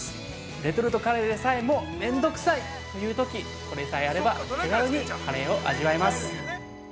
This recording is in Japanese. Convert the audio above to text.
レトルトカレーでさえも面倒くさいというとき、これさえあれば、手軽にカレーを味わえます。